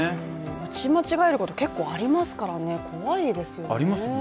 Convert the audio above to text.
打ち間違えること、結構ありますから怖いですよね。